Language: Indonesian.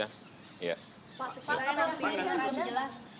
pak sekiranya pak raihan belum jelas sampai sekarang kan belum mengumumkan persatuan itu